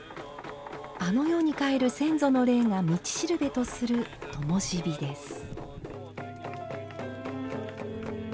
あの世に帰る先祖の霊が道しるべとする、ともし火です。